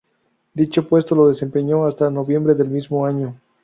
Dicho puesto lo desempeñó hasta noviembre del mismo año.